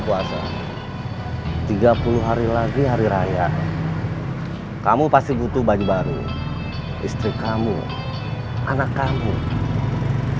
kamu keliatannya seperti nangis